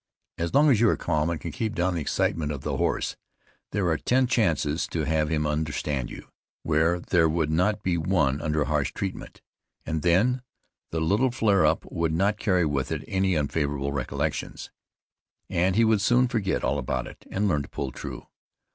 As long as you are calm and can keep down the excitement of the horse, there are ten chances to have him understand you, where there would not be one under harsh treatment, and then the little flare up would not carry with it any unfavorable recollections, and he would soon forget all about it, and learn to pull true.